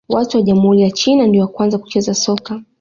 Watu wa jamhuri ya China ndio wa kwanza kucheza soka